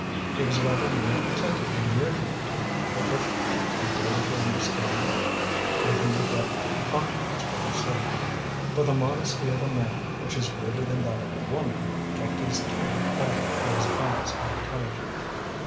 He was rather more attentive than usual to Patricia, and gave her to understand that he would wreck continents for her sake. But the modesty of a man, which is greater than that of a woman, kept his tongue quiet and his eyes unintelligent.